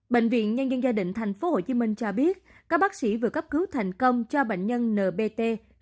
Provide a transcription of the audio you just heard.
bệnh viện nhân dân gia định tp hcm cho biết các bác sĩ vừa cấp cứu thành công cho bệnh nhân nbt